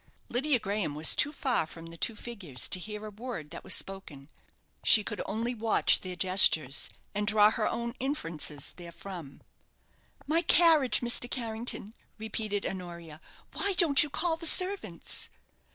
Lydia Graham was too far from the two figures to hear a word that was spoken. She could only watch their gestures, and draw her own inferences therefrom. "My carriage, Mr. Carrington!" repeated Honoria; "why don't you call the servants?"